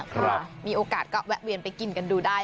มีโอกาสก็แวะเวียนไปกินกันดูได้